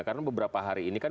karena beberapa hari ini kan